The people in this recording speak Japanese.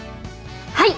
はい。